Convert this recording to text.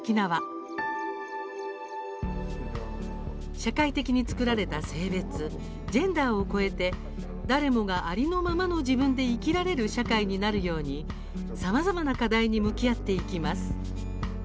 社会的に作られた性別ジェンダーを超えて誰もがありのままの自分で生きられる社会になるようにさまざまな課題に向き合っていきます。